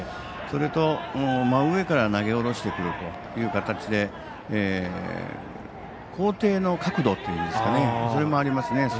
それと、真上から投げ下ろしてくるという形で高低の角度というんですかねそれもありますね。